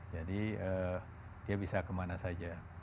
jadi dia bisa kemana saja